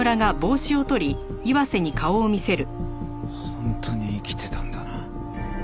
本当に生きてたんだな。